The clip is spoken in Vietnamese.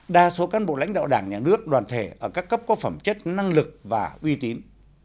đa số cán bộ lãnh đạo đảng nhà nước đoàn thể ở các cấp có phẩm chất năng lực và uy tín